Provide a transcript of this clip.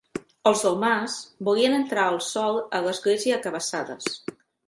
Els del Mas, volien entrar el sol a l'església a cabassades.